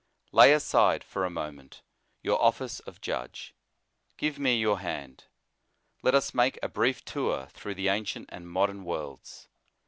Lay aside, for a moment, your office of judge; give me your hand; let us make a brief tour through the ancient and modern worlds.